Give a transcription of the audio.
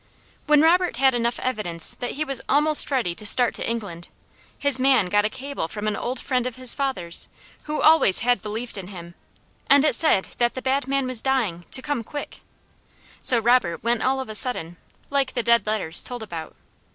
When Robert had enough evidence that he was almost ready to start to England, his man got a cable from an old friend of his father's, who always had believed in him, and it said that the bad man was dying to come quick. So Robert went all of a sudden, like the Dead Letters told about.